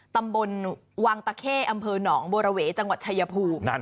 ตำบลวังตะเข้อำเภอหนองบัวระเวจังหวัดชายภูมิ